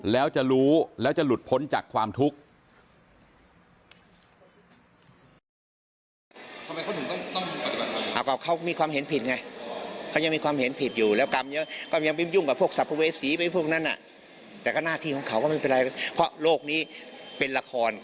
แล้วจะรู้แล้วจะหลุดพ้นจากความทุกข์